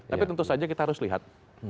tapi tentu saja kita harus lihat